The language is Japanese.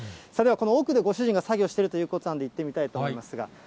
それでは、この奥でご主人が作業しているということなんで、行ってみたいと思いますが。